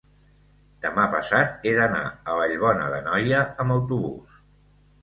demà passat he d'anar a Vallbona d'Anoia amb autobús.